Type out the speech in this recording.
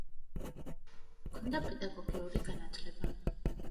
ჰქონდა პედაგოგიური განათლება.